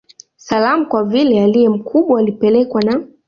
Salaam Kwa vile aliye mkubwa alipelekwa na